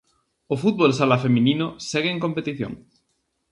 O fútbol sala feminino segue en competición.